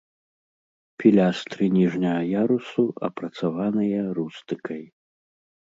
Пілястры ніжняга ярусу апрацаваныя рустыкай.